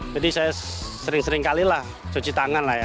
jadi saya sering sering kalilah cuci tangan lah ya